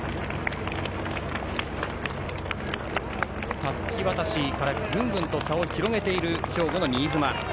たすき渡しからグングン差を広げている兵庫の新妻。